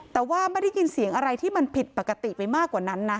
แต่ว่าไม่ได้ยินเสียงอะไรที่มันผิดปกติไปมากกว่านั้นนะ